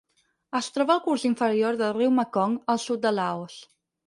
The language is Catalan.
Es troba al curs inferior del riu Mekong al sud de Laos.